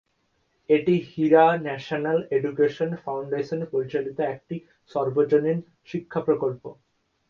এটি Hira national education foundation পরিচালিত একটি সর্বজনীন শিক্ষা প্রকল্প।